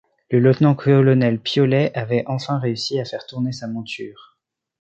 Le lieutenant-colonel Piollet avait enfin réussi à faire tourner sa monture.